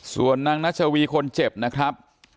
ส่วนนางนัชวีคนเจ็บนะครับ